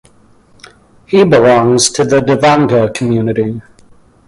He belongs to the Devanga community.